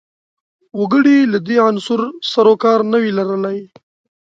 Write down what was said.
وګړي له دې عنصر سر و کار نه وي لرلای